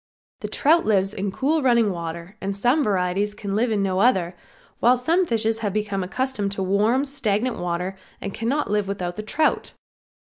The trout lives in cool running water and some varieties can live in no other, while some fishes have become accustomed to warm, stagnant water and cannot live with the trout.